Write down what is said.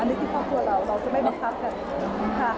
อันนี้คือพ่อตัวเราเราจะไม่บังคับค่ะ